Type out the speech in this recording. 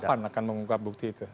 kapan akan mengungkap bukti itu